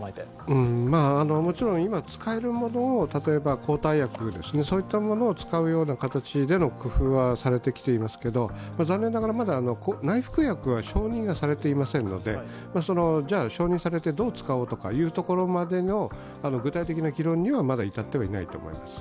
もちろん今、使えるものを抗体薬、そういったものを使うような形での工夫はされてきていますけど残念ながら内服薬はまだ承認されてませんのでじゃあ承認されてどう使おうかというところまでの具体的な議論にまではまだ至っていないと思います。